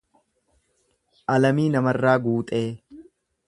Alamii Namarraa Guuxee